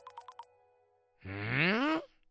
うん？